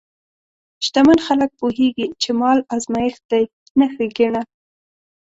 شتمن خلک پوهېږي چې مال ازمېښت دی، نه ښېګڼه.